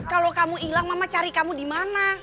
kalau kamu ilang mama cari kamu dimana